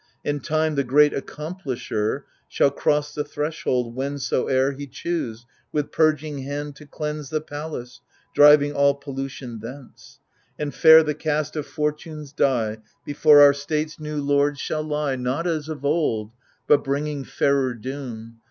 And Time, the great Accomplisher, Shall cross the threshold, whensoe'er He choose with purging hand to cleanse The palace, driving all pollution thence. And fair the cast of Fortune's die Before our state's new lords shall lie. Not as of old, but bringing fairer doom.